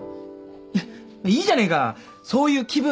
いやいいじゃねえかそういう気分なんだよ。